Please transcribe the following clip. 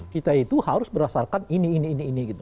kita itu harus berdasarkan ini ini ini gitu